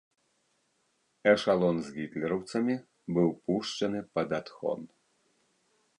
Эшалон з гітлераўцамі быў пушчаны пад адхон.